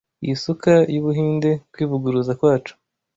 iyi suka yu Buhinde, Kwivuguruza kwacu